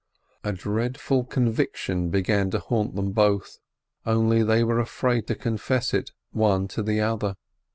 A dreadful conviction began to haunt them both, only they were afraid to confess it one to the other.